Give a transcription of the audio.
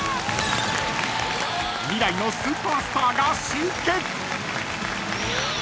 ［未来のスーパースターが集結］